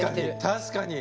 確かに！